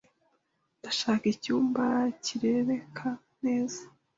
Ndashaka icyumba kirebeka neza.